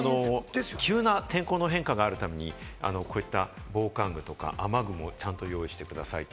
あと急な天候変化があるために、こういった防寒具とか雨具をちゃんと用意してくださいと。